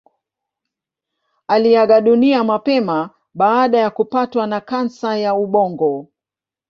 Aliaga dunia mapema baada ya kupatwa na kansa ya ubongo.